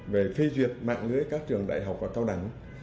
về phê duyệt mạng lưới các trường đại học và cao đẳng